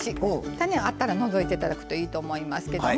種があったら除いて頂くといいと思いますけども。